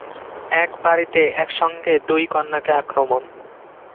এক বাড়িতে একসঙ্গে দুই কন্যাকে আক্রমণ!